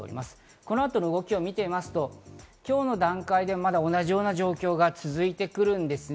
この後の動きを見てみますと今日の段階でもまだ同じような状況が続いてくるんですね。